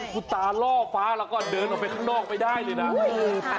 คุณตาล่อฟ้าแล้วก็เดินออกไปข้างนอกไม่ได้เลยนะ